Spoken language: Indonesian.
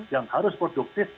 yang harus produktif